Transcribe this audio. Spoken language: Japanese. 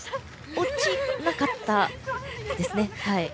落ちなかったですね。